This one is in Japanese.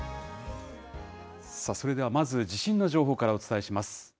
それではまず地震の情報からお伝えします。